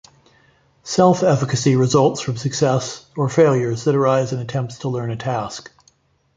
Self-efficacy results from success or failures that arise in attempts to learn a task.